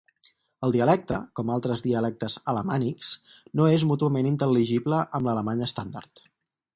El dialecte, com altres dialectes alamànics, no és mútuament intel·ligible amb l'alemany estàndard.